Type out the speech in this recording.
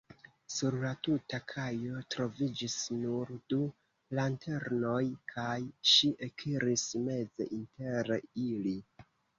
Sur la tuta kajo troviĝis nur du lanternoj, kaj ŝi ekiris meze inter ili.